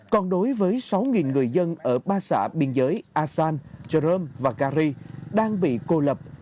còn đối với sáu người dân ở ba xã biên giới a san trơ rơm và ga ri đang bị cô lập